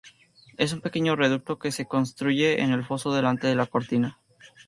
Es un pequeño reducto que se construye en el foso delante de la cortina.